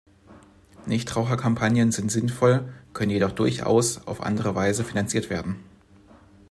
Nichtraucherkampagnen sind sinnvoll, können jedoch durchaus auf andere Weise finanziert werden.